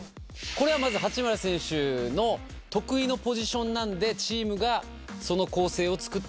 これはまず八村選手の得意のポジションなんでチームがその構成を作ってるっていうのが１つある。